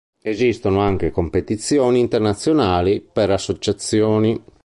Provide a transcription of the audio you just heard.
Esistono anche competizioni internazionali per associazioni.